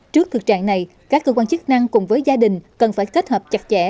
trước thực trạng này các cơ quan chức năng cùng với gia đình cần phải kết hợp chặt chẽ